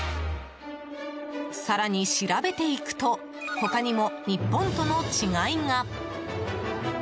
更に、調べていくと他にも日本との違いが。